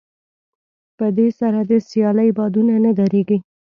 په دې سره د سيالۍ بادونه نه درېږي.